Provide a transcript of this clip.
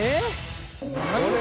何これ。